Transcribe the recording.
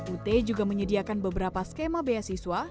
ut juga menyediakan beberapa skema beasiswa